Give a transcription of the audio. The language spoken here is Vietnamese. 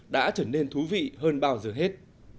đã trở nên thú vị hơn bao giờ hết